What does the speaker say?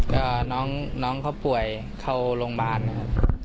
ก็น้องเขาป่วยเข้าโรงพยาบาลนะครับ